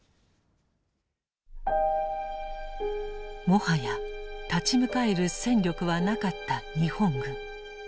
もはや立ち向かえる戦力はなかった日本軍。